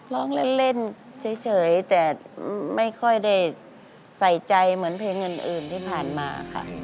ร้องเล่นเฉยแต่ไม่ค่อยได้ใส่ใจเหมือนเพลงอื่นที่ผ่านมาค่ะ